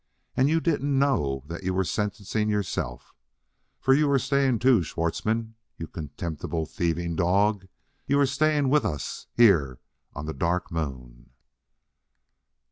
and you didn't know that you were sentencing yourself. For you're staying too, Schwartzmann, you contemptible, thieving dog! You're staying with us here on the Dark Moon!"